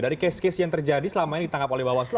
dari case case yang terjadi selama ini ditangkap oleh bawaslu